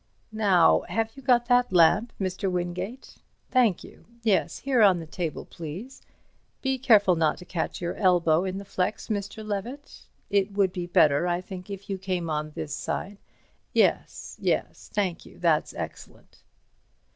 "Now—have you got that lamp, Mr. Wingate? Thank you. Yes, here on the table, please. Be careful not to catch your elbow in the flex, Mr. Levett. It would be better, I think, if you came on this side. Yes—yes—thank you. That's excellent."